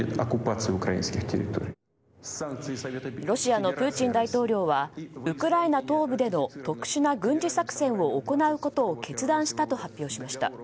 ロシアのプーチン大統領はウクライナ東部での特殊な軍事作戦を行うことを決断したと発表しました。